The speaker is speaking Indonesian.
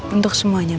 untuk semuanya mas